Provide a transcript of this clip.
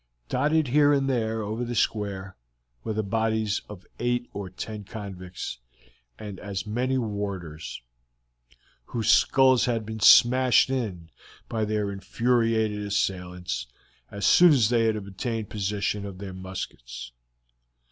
Dotted here and there over the square were the bodies of eight or ten convicts and as many warders, whose skulls had been smashed in by their infuriated assailants as soon as they had obtained possession of their muskets.